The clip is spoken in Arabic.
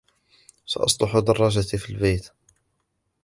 سأصلح دراجتي في البيت.